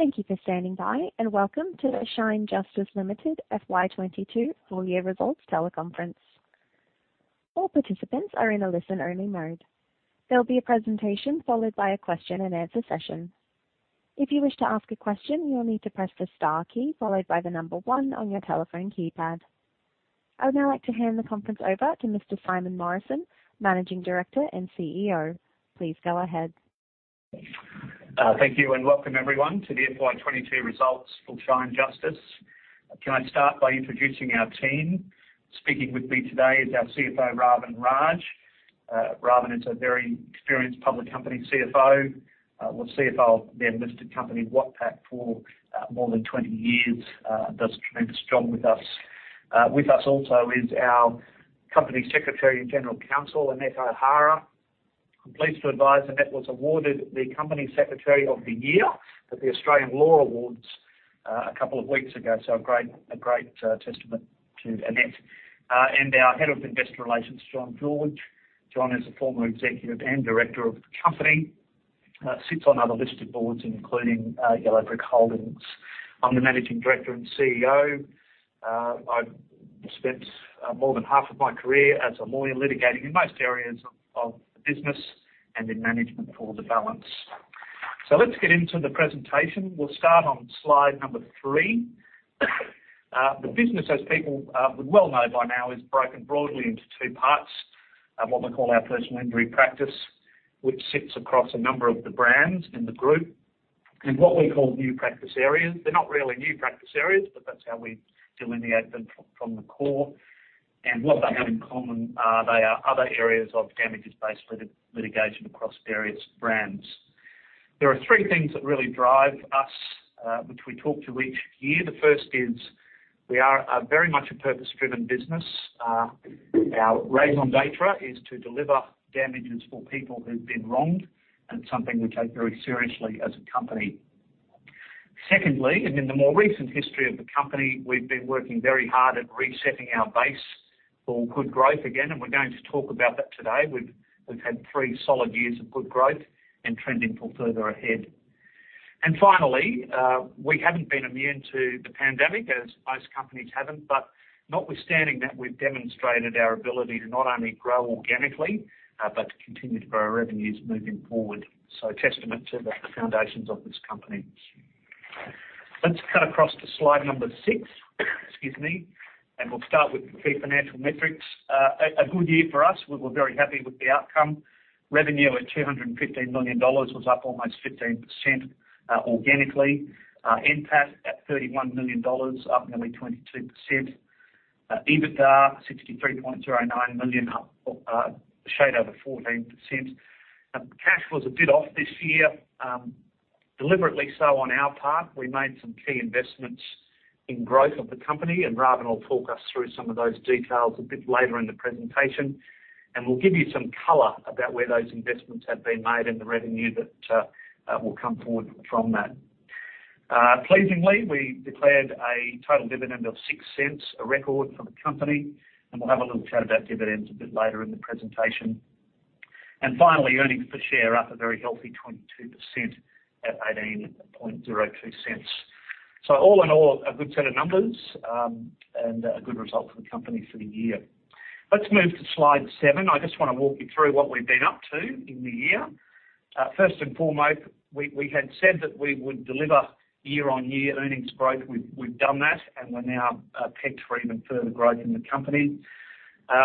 Thank you for standing by, and welcome to the Shine Justice Limited FY 22 full year results teleconference. All participants are in a listen-only mode. There'll be a presentation followed by a question-and-answer session. If you wish to ask a question, you will need to press the star key followed by the number 1 on your telephone keypad. I would now like to hand the conference over to Mr. Simon Morrison, Managing Director and CEO. Please go ahead. Thank you, and welcome everyone to the FY 2022 results for Shine Justice. Can I start by introducing our team? Speaking with me today is our CFO, Ravin Raj. Ravin is a very experienced public company CFO. Was CFO of the then-listed company Watpac for more than 20 years. Does a tremendous job with us. With us also is our Company Secretary and General Counsel, Annette O'Hara. I'm pleased to advise Annette was awarded the Company Secretary of the Year at the Australian Law Awards a couple of weeks ago, so a great testament to Annette. Our Head of Investor Relations, John George. John is a former executive and director of the company, sits on other listed boards including Yellow Brick Road Holdings. I'm the Managing Director and CEO. I've spent more than half of my career as a lawyer litigating in most areas of the business and in management for the balance. Let's get into the presentation. We'll start on slide number 3. The business, as people would well know by now, is broken broadly into 2 parts, what we call our personal injury practice, which sits across a number of the brands in the group. What we call new practice areas. They're not really new practice areas, but that's how we delineate them from the core. What they have in common are they are other areas of damages-based litigation across various brands. There are 3 things that really drive us, which we talk to each year. The first is we are very much a purpose-driven business. Our raison d'être is to deliver damages for people who've been wronged, and it's something we take very seriously as a company. Secondly, and in the more recent history of the company, we've been working very hard at resetting our base for good growth again, and we're going to talk about that today. We've had three solid years of good growth and trending for further ahead. We haven't been immune to the pandemic, as most companies haven't but, notwithstanding that, we've demonstrated our ability to not only grow organically, but to continue to grow our revenues moving forward. A testament to the foundations of this company. Let's cut across to slide number six. Excuse me. We'll start with the key financial metrics. A good year for us. We're very happy with the outcome. Revenue at 215 million dollars was up almost 15%, organically. NPAT at 31 million dollars, up nearly 22%. EBITDA 63.09 million, up a shade over 14%. Cash was a bit off this year, deliberately so on our part. We made some key investments in growth of the company, and Ravin will talk us through some of those details a bit later in the presentation. We'll give you some color about where those investments have been made and the revenue that will come forward from that. Pleasingly, we declared a total dividend of 0.06, a record for the company, and we'll have a little chat about dividends a bit later in the presentation. Finally, earnings per share up a very healthy 22% at 0.1802. All in all, a good set of numbers, and a good result for the company for the year. Let's move to slide seven. I just wanna walk you through what we've been up to in the year. First and foremost, we had said that we would deliver year-on-year earnings growth. We've done that, and we're now pegged for even further growth in the company.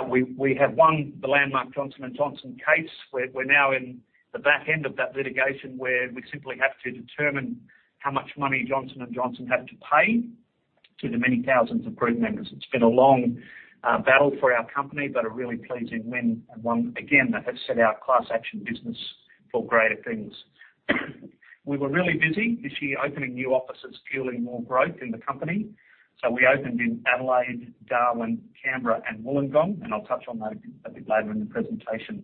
We have won the landmark Johnson & Johnson case. We're now in the back end of that litigation where we simply have to determine how much money Johnson & Johnson have to pay to the many thousands of group members. It's been a long battle for our company, but a really pleasing win and one, again, that has set our class action business for greater things. We were really busy this year opening new offices, fueling more growth in the company. We opened in Adelaide, Darwin, Canberra, and Wollongong, and I'll touch on that a bit later in the presentation.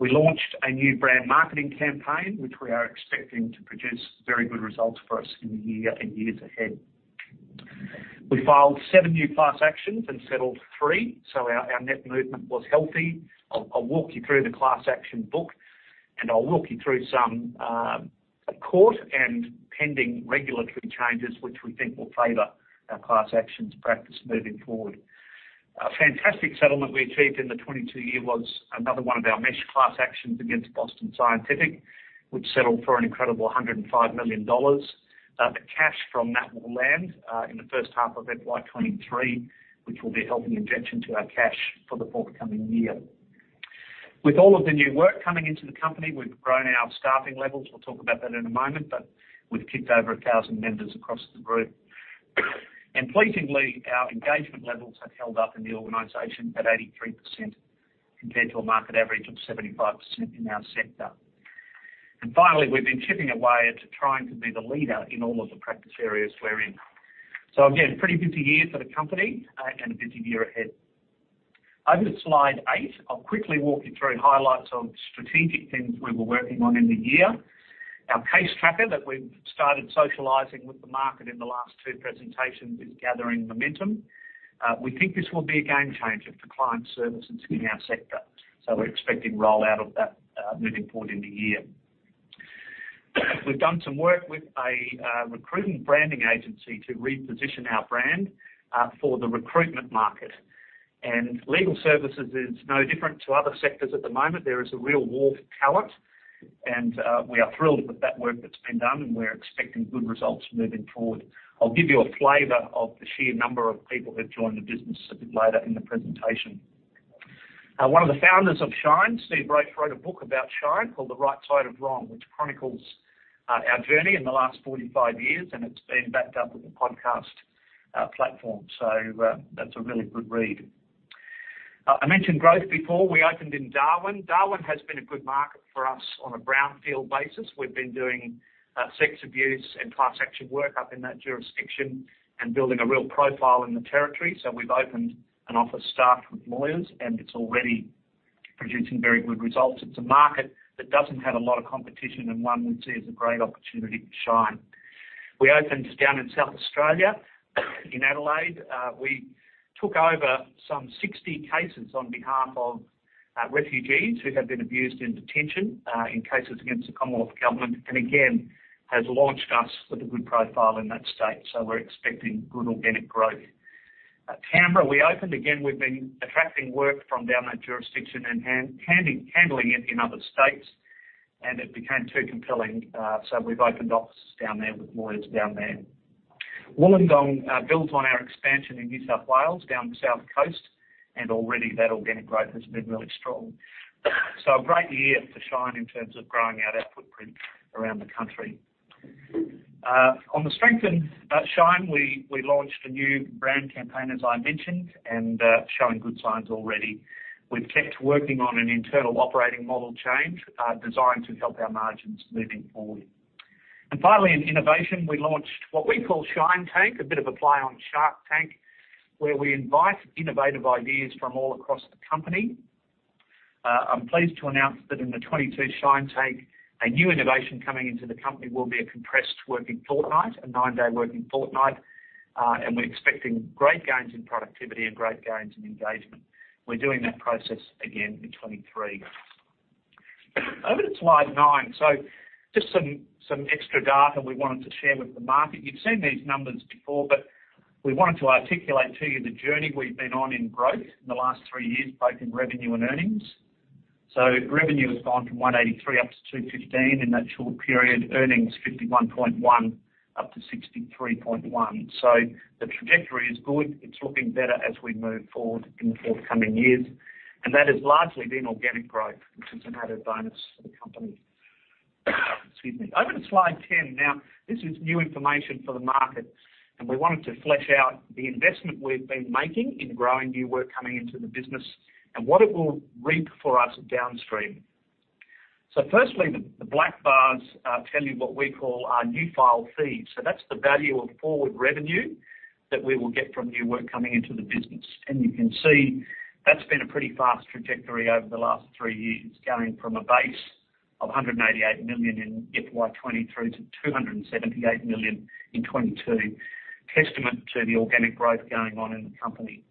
We launched a new brand marketing campaign, which we are expecting to produce very good results for us in the year and years ahead. We filed 7 new class actions and settled 3, so our net movement was healthy. I'll walk you through the class action book, and I'll walk you through some court and pending regulatory changes, which we think will favor our class actions practice moving forward. A fantastic settlement we achieved in the 2022 year was another one of our mesh class actions against Boston Scientific, which settled for an incredible 105 million dollars. The cash from that will land in the first half of FY 2023, which will be a healthy injection to our cash for the forthcoming year. With all of the new work coming into the company, we've grown our staffing levels. We'll talk about that in a moment, but we've kicked over 1,000 members across the group. Pleasingly, our engagement levels have held up in the organization at 83%, compared to a market average of 75% in our sector. Finally, we've been chipping away at trying to be the leader in all of the practice areas we're in. Again, pretty busy year for the company, and a busy year ahead. Over to slide eight. I'll quickly walk you through highlights of strategic things we were working on in the year. Our Case Tracker that we've started socializing with the market in the last two presentations is gathering momentum. We think this will be a game changer for client services in our sector. We're expecting rollout of that, moving forward in the year. We've done some work with a recruiting branding agency to reposition our brand, for the recruitment market. Legal services is no different to other sectors at the moment. There is a real war for talent, and we are thrilled with that work that's been done, and we're expecting good results moving forward. I'll give you a flavor of the sheer number of people who've joined the business a bit later in the presentation. One of the founders of Shine, Steve Bright, wrote a book about Shine called The Right Side of Wrong, which chronicles our journey in the last 45 years, and it's been backed up with a podcast platform. That's a really good read. I mentioned growth before. We opened in Darwin. Darwin has been a good market for us on a brownfield basis. We've been doing sex abuse and class action work up in that jurisdiction and building a real profile in the territory. We've opened an office staffed with lawyers, and it's already producing very good results. It's a market that doesn't have a lot of competition, and one we see as a great opportunity for Shine. We opened down in South Australia in Adelaide. We took over some 60 cases on behalf of refugees who have been abused in detention in cases against the Commonwealth government, and again has launched us with a good profile in that state, so we're expecting good organic growth. At Canberra, we opened. Again, we've been attracting work from down that jurisdiction and handling it in other states, and it became too compelling, so we've opened offices down there with lawyers down there. Wollongong builds on our expansion in New South Wales down the south coast, and already that organic growth has been really strong. A great year for Shine in terms of growing out our footprint around the country. On the strength of Shine, we launched a new brand campaign, as I mentioned, and showing good signs already. We've kept working on an internal operating model change, designed to help our margins moving forward. Finally, in innovation, we launched what we call Shine Tank, a bit of a play on Shark Tank, where we invite innovative ideas from all across the company. I'm pleased to announce that in the 2022 Shine Tank, a new innovation coming into the company will be a compressed working fortnight, a nine-day working fortnight, and we're expecting great gains in productivity and great gains in engagement. We're doing that process again in 2023. Over to slide nine. Just some extra data we wanted to share with the market. You've seen these numbers before, but we wanted to articulate to you the journey we've been on in growth in the last three years, both in revenue and earnings. Revenue has gone from 183 up to 215 in that short period. Earnings, 51.1 up to 63.1. The trajectory is good. It's looking better as we move forward in the forthcoming years, and that has largely been organic growth, which is an added bonus for the company. Excuse me. Over to slide 10. Now, this is new information for the market, and we wanted to flesh out the investment we've been making in growing new work coming into the business and what it will reap for us downstream. Firstly, the black bars tell you what we call our new file fees. That's the value of forward revenue that we will get from new work coming into the business. You can see that's been a pretty fast trajectory over the last three years, going from a base of 188 million in FY 2020 through to 278 million in 2022. Testament to the organic growth going on in the company.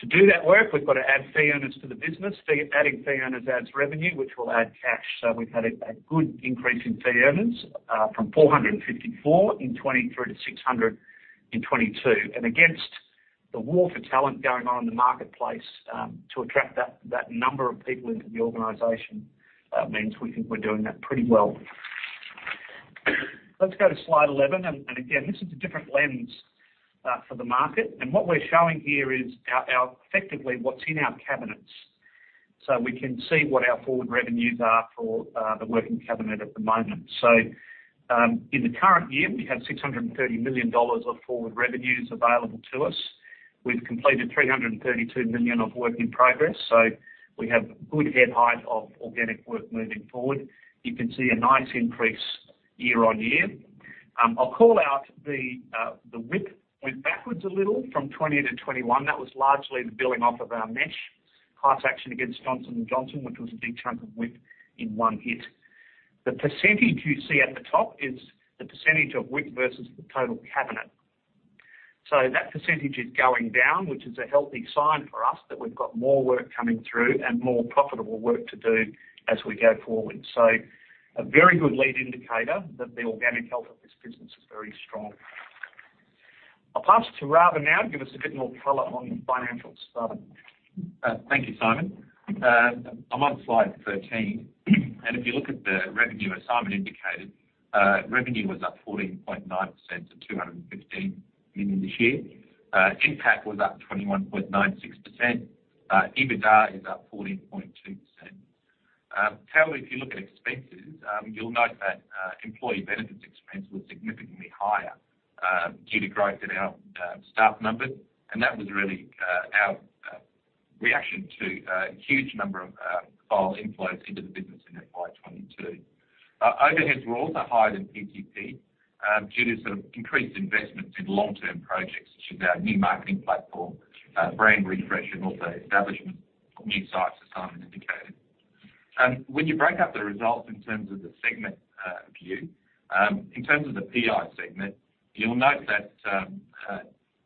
To do that work, we've got to add fee earners to the business. Adding fee earners adds revenue, which will add cash. We've had a good increase in fee earners from 454 in 2020 through to 600 in 2022. Against the war for talent going on in the marketplace to attract that number of people into the organization means we think we're doing that pretty well. Let's go to slide 11. Again, this is a different lens for the market. What we're showing here is our effectively what's in our cabinets, so we can see what our forward revenues are for the working cabinet at the moment. In the current year, we have 630 million dollars of forward revenues available to us. We've completed 332 million of work in progress, so we have good head height of organic work moving forward. You can see a nice increase year-on-year. I'll call out the WIP went backwards a little from 2020 to 2021. That was largely the billing off of our mesh class action against Johnson & Johnson, which was a big chunk of WIP in one hit. The percentage you see at the top is the percentage of WIP versus the total cabinet. that percentage is going down, which is a healthy sign for us that we've got more work coming through and more profitable work to do as we go forward. A very good lead indicator that the organic health of this business is very strong. I'll pass to Ravin Raj now to give us a bit more color on financials. Over. Thank you, Simon. I'm on slide 13, and if you look at the revenue, as Simon indicated, revenue was up 14.9% to 215 million this year. NPAT was up 21.96%. EBITDA is up 14.2%. If you look at expenses, you'll note that employee benefits expense was significantly higher due to growth in our staff numbers, and that was really our reaction to a huge number of files inflows into the business in FY 2022. Overheads were also higher than PCP, due to sort of increased investments in long-term projects such as our new marketing platform, brand refresh, and also establishment of new sites, as Simon indicated. When you break up the results in terms of the segment view, in terms of the PI segment, you'll note that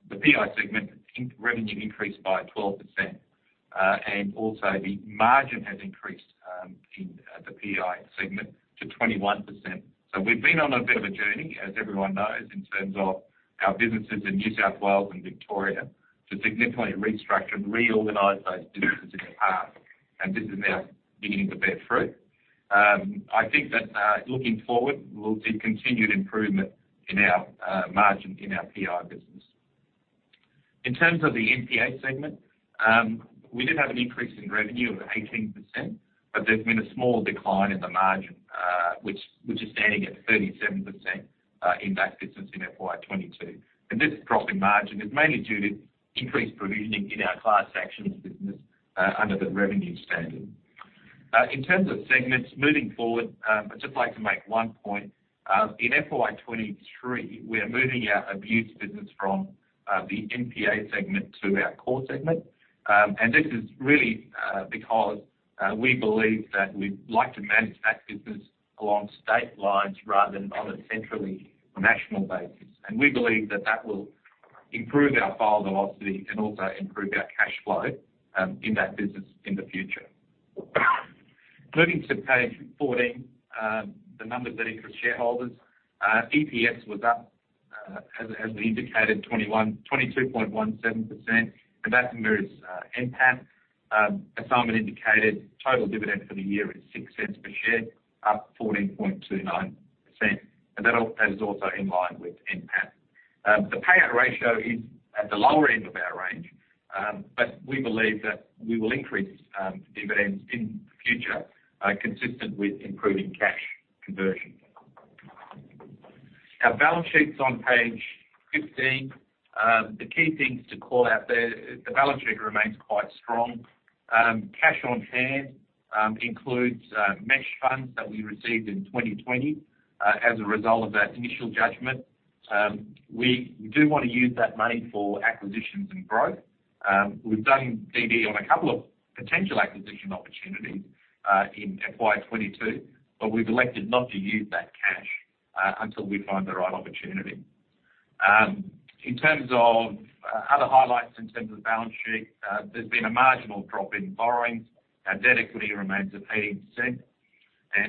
the PI segment in revenue increased by 12%. Also, the margin has increased in the PI segment to 21%. We've been on a bit of a journey, as everyone knows, in terms of our businesses in New South Wales and Victoria to significantly restructure and reorganize those businesses in the past. This is now beginning to bear fruit. I think that looking forward, we'll see continued improvement in our margin in our PI business. In terms of the NPA segment, we did have an increase in revenue of 18%, but there's been a small decline in the margin, which is standing at 37%, in that business in FY 2022. This drop in margin is mainly due to increased provisioning in our class actions business, under the revenue standard. In terms of segments moving forward, I'd just like to make one point. In FY 2023, we're moving our abuse business from the NPA segment to our core segment. This is really because we believe that we'd like to manage that business along state lines rather than on a centrally national basis. We believe that that will improve our file velocity and also improve our cash flow, in that business in the future. Moving to page 14, the numbers that are for shareholders, EPS was up, as we indicated, 22.17%, and that mirrors NPAT. As Simon indicated, total dividend for the year is 0.06 per share, up 14.29%. That is also in line with NPAT. The payout ratio is at the lower end of our range, but we believe that we will increase dividends in the future, consistent with improving cash conversion. Our balance sheet's on page 15. The key things to call out there, the balance sheet remains quite strong. Cash on hand includes mesh funds that we received in 2020, as a result of that initial judgment. We do wanna use that money for acquisitions and growth. We've done DD on a couple of potential acquisition opportunities in FY 22, but we've elected not to use that cash until we find the right opportunity. In terms of other highlights in terms of the balance sheet, there's been a marginal drop in borrowings. Our debt equity remains at 18%.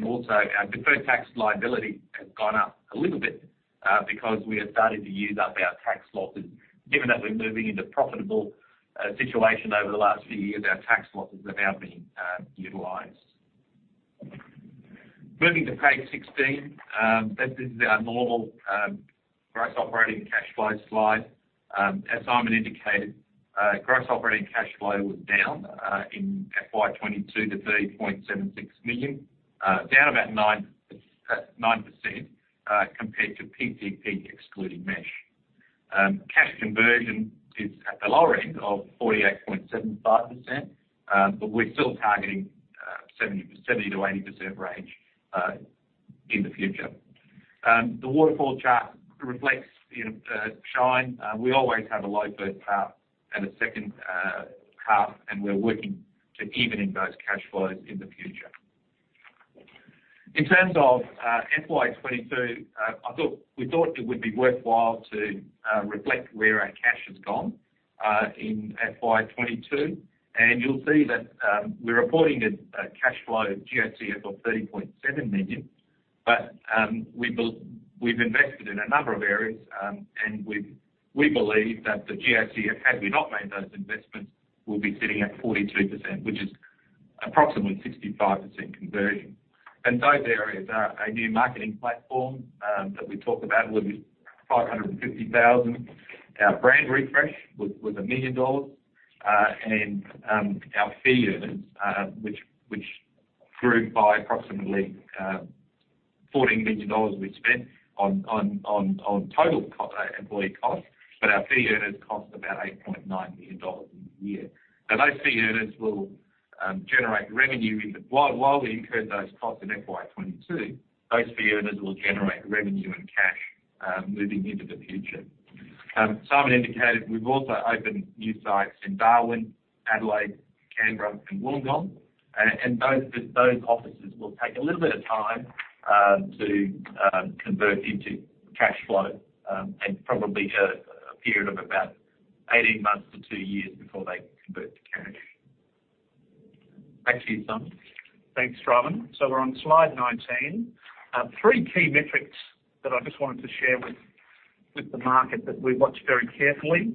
Our deferred tax liability has gone up a little bit because we have started to use up our tax losses. Given that we're moving into profitable situation over the last few years, our tax losses have now been utilized. Moving to page 16, this is our normal gross operating cash flow slide. As Simon indicated, gross operating cash flow was down in FY 2022 to 30.76 million, down about 9%, compared to PCP excluding mesh. Cash conversion is at the lower end of 48.75%, but we're still targeting 70%-80% range in the future. The waterfall chart reflects the Shine. We always have a low first half and a second half, and we're working to even out those cash flows in the future. In terms of FY 2022, we thought it would be worthwhile to reflect where our cash has gone in FY 2022. You'll see that we're reporting a cash flow of GCF of 30.7 million, but we've invested in a number of areas, and we believe that the GCF, had we not made those investments, will be sitting at 42%, which is approximately 65% conversion. Those areas are a new marketing platform that we talk about with 550 thousand. Our brand refresh was 1 million dollars. Our fee earners, which grew by approximately 14 million dollars we spent on total employee costs, but our fee earners cost about 8.9 million dollars in the year. Those fee earners will generate revenue in the year. While we incur those costs in FY 2022, those fee earners will generate revenue and cash moving into the future. Simon indicated we've also opened new sites in Darwin, Adelaide, Canberra, and Wollongong. Those offices will take a little bit of time to convert into cash flow, and probably a period of about 18 months to 2 years before they convert to cash. Back to you, Simon. Thanks, Ravin Raj. We're on slide 19. Three key metrics that I just wanted to share with the market that we watch very carefully.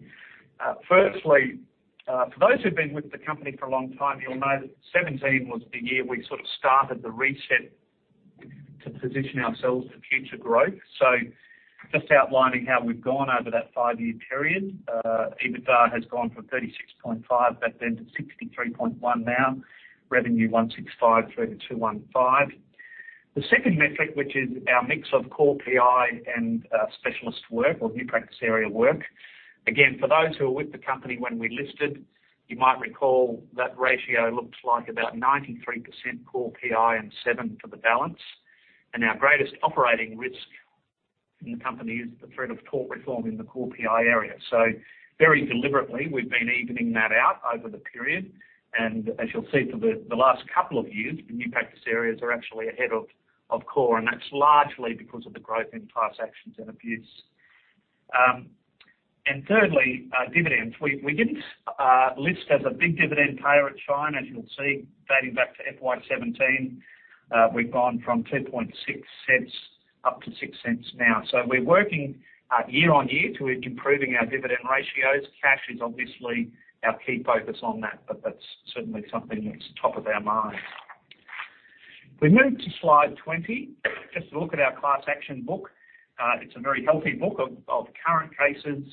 Firstly, for those who've been with the company for a long time, you'll know that 2017 was the year we sort of started the reset to position ourselves for future growth. Just outlining how we've gone over that 5-year period, EBITDA has gone from 36.5 back then to 63.1 now. Revenue 165-215. The second metric, which is our mix of core PI and specialist work or new practice area work. Again, for those who were with the company when we listed, you might recall that ratio looked like about 93% core PI and 7% for the balance. Our greatest operating risk in the company is the threat of tort reform in the core PI area. Very deliberately, we've been evening that out over the period. As you'll see for the last couple of years, the new practice areas are actually ahead of core, and that's largely because of the growth in class actions and abuse. Thirdly, dividends. We didn't list as a big dividend payer at Shine, as you'll see dating back to FY 2017. We've gone from 0.026 up to 0.06 now. We're working year-on-year to improving our dividend ratios. Cash is obviously our key focus on that, but that's certainly something that's top of our minds. We move to slide 20. Just look at our class action book. It's a very healthy book of current cases,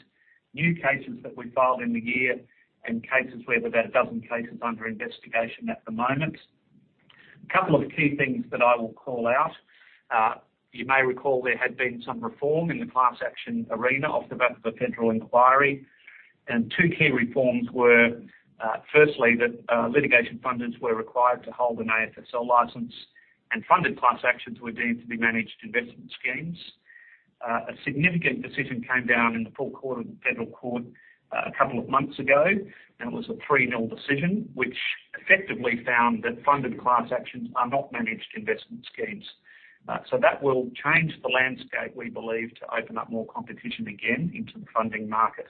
new cases that we filed in the year and cases where there are about a dozen cases under investigation at the moment. A couple of key things that I will call out. You may recall there had been some reform in the class action arena off the back of a federal inquiry, and two key reforms were, firstly, that litigation funders were required to hold an AFSL license and funded class actions were deemed to be managed investment schemes. A significant decision came down in the Full Court of the Federal Court a couple of months ago, and it was a three-nil decision which effectively found that funded class actions are not managed investment schemes. That will change the landscape, we believe, to open up more competition again into the funding market.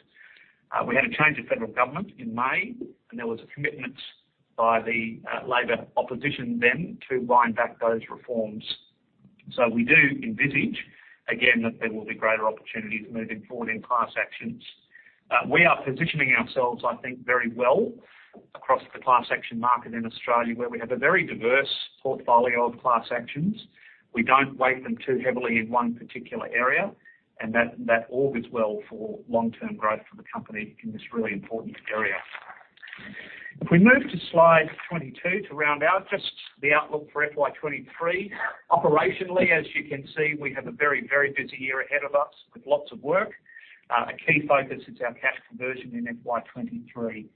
We had a change of federal government in May, and there was a commitment by the Labor opposition then to wind back those reforms. We do envisage again that there will be greater opportunities moving forward in class actions. We are positioning ourselves, I think, very well across the class action market in Australia, where we have a very diverse portfolio of class actions. We don't weight them too heavily in one particular area, and that augurs well for long-term growth for the company in this really important area. If we move to slide 22 to round out just the outlook for FY 2023. Operationally, as you can see, we have a very, very busy year ahead of us with lots of work. A key focus is our cash conversion in FY 2023.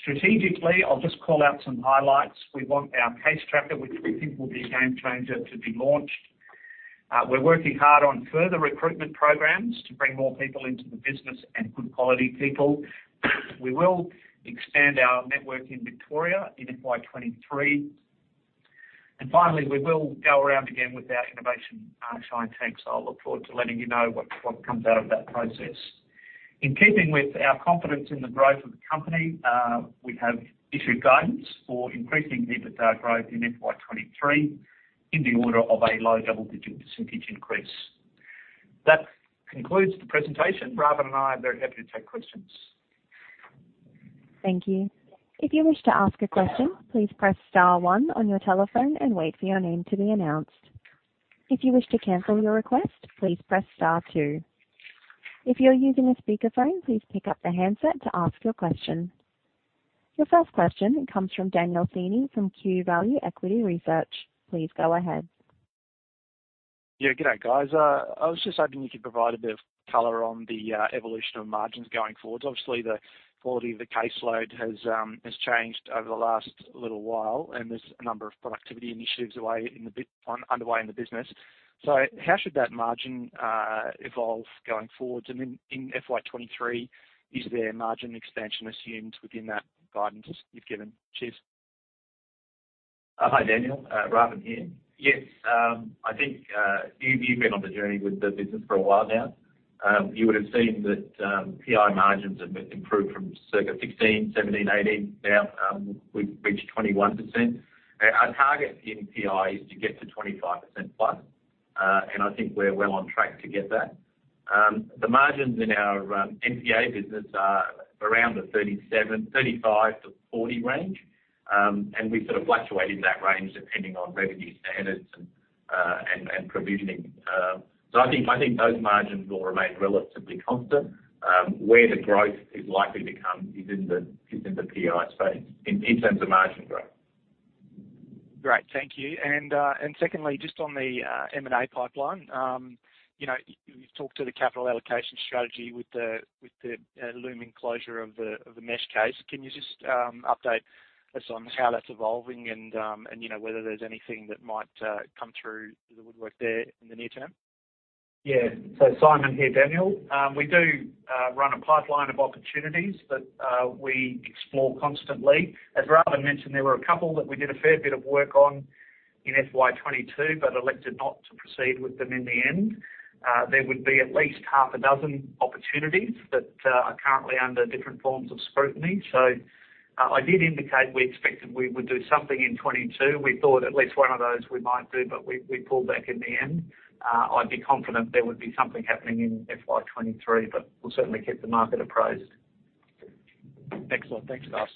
Strategically, I'll just call out some highlights. We want our Case Tracker, which we think will be a game changer, to be launched. We're working hard on further recruitment programs to bring more people into the business and good quality people. We will expand our network in Victoria in FY 2023. Finally, we will go around again with our innovation, Shine Tank. I'll look forward to letting you know what comes out of that process. In keeping with our confidence in the growth of the company, we have issued guidance for increasing EBITDA growth in FY 2023 in the order of a low double-digit % increase. That concludes the presentation. Ravin and I are very happy to take questions. Thank you. If you wish to ask a question, please press star one on your telephone and wait for your name to be announced. If you wish to cancel your request, please press star two. If you're using a speakerphone, please pick up the handset to ask your question. Your first question comes from Daniel Sini from Q Value Equity Research. Please go ahead. Yeah, g'day, guys. I was just hoping you could provide a bit of color on the evolution of margins going forward. Obviously, the quality of the caseload has changed over the last little while, and there's a number of productivity initiatives underway in the business. How should that margin evolve going forward? In FY 2023, is there margin expansion assumed within that guidance you've given? Cheers. Hi, Daniel. Ravin Raj here. Yes. I think you've been on the journey with the business for a while now. You would have seen that PI margins have been improved from circa 16, 17, 18. Now, we've reached 21%. Our target in PI is to get to 25%+. I think we're well on track to get that. The margins in our NPA business are around the 37, 35-40 range. We sort of fluctuate in that range depending on revenue standards and provisioning. I think those margins will remain relatively constant. Where the growth is likely to come is in the PI space in terms of margin growth. Great. Thank you. Secondly, just on the M&A pipeline, you know, you've talked to the capital allocation strategy with the looming closure of the mesh case. Can you just update us on how that's evolving and you know, whether there's anything that might come through the woodwork there in the near term? Yeah. Simon here, Daniel. We do run a pipeline of opportunities that we explore constantly. As Ravin mentioned, there were a couple that we did a fair bit of work on in FY 2022, but elected not to proceed with them in the end. There would be at least half a dozen opportunities that are currently under different forms of scrutiny. I did indicate we expected we would do something in 2022. We thought at least one of those we might do, but we pulled back in the end. I'd be confident there would be something happening in FY 2023, but we'll certainly keep the market appraised. Excellent. Thanks, guys.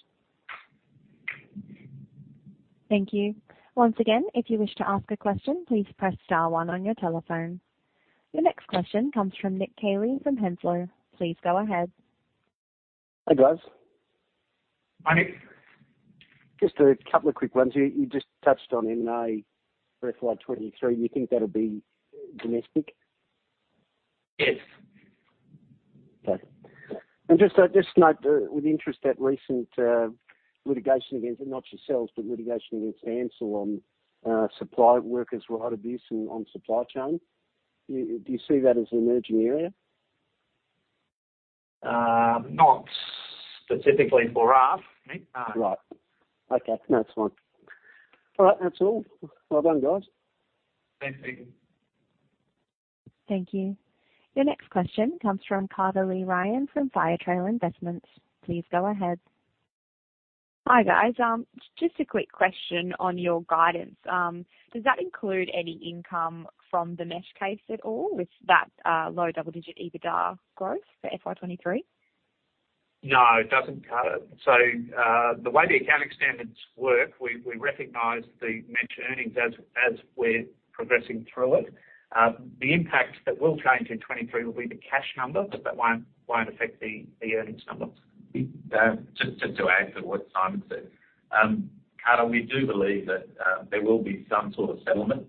Thank you. Once again, if you wish to ask a question, please press star one on your telephone. Your next question comes from Nick Caley from Henslow. Please go ahead. Hey, guys. Hi, Nick. Just a couple of quick ones. You just touched on M&A for FY 23. You think that'll be domestic? Yes Okay. Just note with interest that recent litigation against, not yourselves, but litigation against Ansell on supply workers' rights abuse and on supply chain. Do you see that as an emerging area? Not specifically for us, Nick. Right. Okay. No, that's fine. All right. That's all. Well done, guys. Thanks, Peter. Thank you. Your next question comes from Carta Ryan from Firetrail Investments. Please go ahead. Hi, guys. Just a quick question on your guidance. Does that include any income from the Mesh case at all with that, low double-digit EBITDA growth for FY 2023? No, it doesn't, Carta. The way the accounting standards work, we recognize the Mesh earnings as we're progressing through it. The impact that will change in 2023 will be the cash number, but that won't affect the earnings number. Just to add to what Simon said. Carta, we do believe that there will be some sort of settlement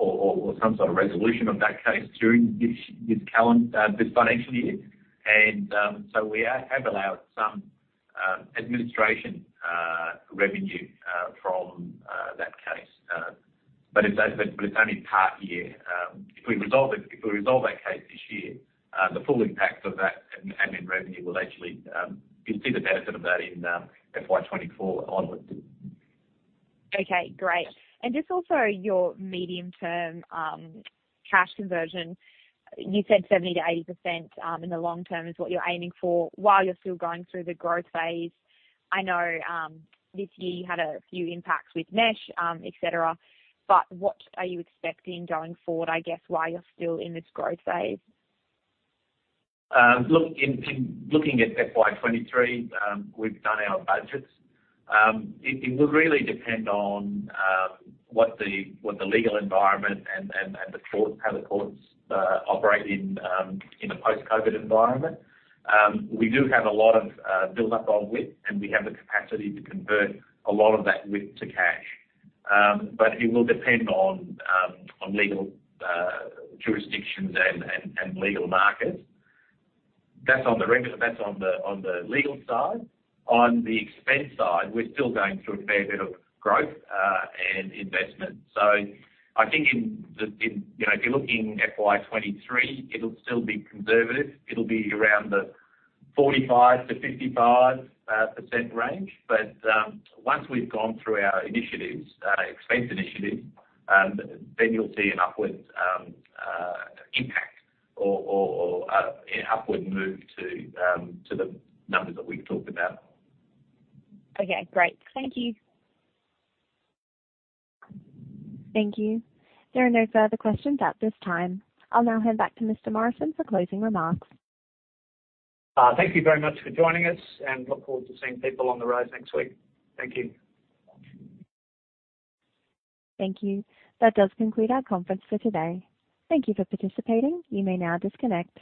or some sort of resolution of that case during this financial year. We have allowed some administration revenue from that case. But it's only part year. If we resolve that case this year, the full impact of that admin revenue will actually. You'll see the benefit of that in FY 2024 onwards. Okay, great. Just also your medium-term, cash conversion, you said 70%-80%, in the long term is what you're aiming for while you're still going through the growth phase. I know, this year you had a few impacts with Mesh, et cetera, but what are you expecting going forward, I guess, while you're still in this growth phase? Look, in looking at FY 2023, we've done our budgets. It will really depend on what the legal environment and the courts, how the courts operate in a post-COVID environment. We do have a lot of build-up on WIP, and we have the capacity to convert a lot of that WIP to cash. But it will depend on legal jurisdictions and legal markets. That's on the legal side. On the expense side, we're still going through a fair bit of growth and investment. I think you know, if you're looking FY 2023, it'll still be conservative. It'll be around the 45%-55% range. Once we've gone through our initiatives, expense initiatives, then you'll see an upwards impact or an upward move to the numbers that we've talked about. Okay, great. Thank you. Thank you. There are no further questions at this time. I'll now hand back to Mr. Morrison for closing remarks. Thank you very much for joining us, and look forward to seeing people on the road next week. Thank you. Thank you. That does conclude our conference for today. Thank you for participating. You may now disconnect.